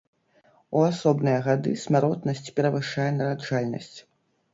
У асобныя гады смяротнасць перавышае нараджальнасць.